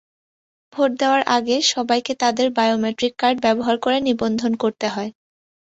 Vote দেওয়ার আগে সবাইকে তাঁদের বায়োমেট্রিক কার্ড ব্যবহার করে নিবন্ধন করতে হয়।